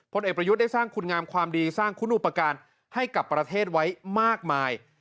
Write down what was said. เอกประยุทธ์ได้สร้างคุณงามความดีสร้างคุณอุปการณ์ให้กับประเทศไว้มากมาย